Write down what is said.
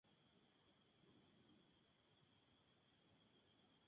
Como nunca La Liga Mexicana estuvo en peligro de desaparecer.